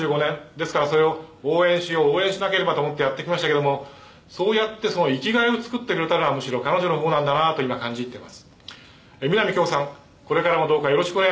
ですからそれを応援しよう応援しなければと思ってやってきましたけれどもそうやって生き甲斐を作ってくれたのはむしろ彼女の方なんだなと今感じ入っています」